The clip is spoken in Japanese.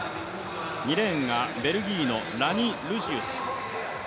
２レーンがベルギーのラニ・ルシウス。